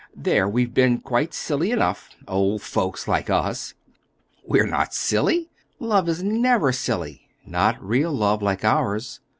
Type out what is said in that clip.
"There, we've been quite silly enough—old folks like us." "We're not silly. Love is never silly—not real love like ours.